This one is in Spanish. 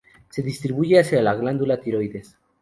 Se distribuye hacia la glándula tiroides.